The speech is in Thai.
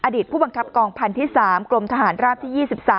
อดีตผู้บังคับกองพันที่๓กลมทหารราบที่๒๓